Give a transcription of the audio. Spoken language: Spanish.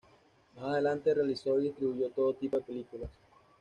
Más adelante realizó y distribuyó todo tipo de películas.